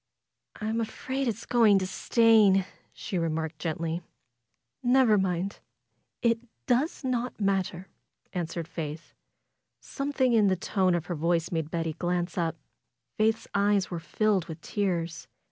"I'm afraid it's going to stain," she remarked, gently. "Nevermind! It does not matter," answered Faith. Something in the tone of her voice made Betty glance up. Faith's eyes were filled with tears.